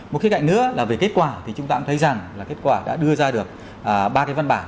một cái cạnh nữa là về kết quả thì chúng ta cũng thấy rằng là kết quả đã đưa ra được ba cái văn bản